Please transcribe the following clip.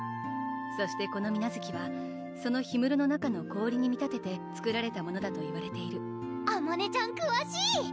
そしてこの水無月はその氷室の中の氷に見立てて作られたものだといわれているあまねちゃんくわしい！